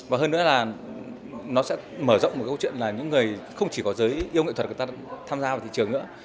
và hơn nữa là nó sẽ mở rộng một câu chuyện là những người không chỉ có giới yêu nghệ thuật người ta tham gia vào thị trường nữa